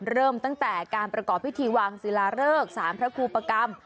เริ่มตั้งแต่การประกอบพิธีวางศิลาเริกสารพระครูปกรรม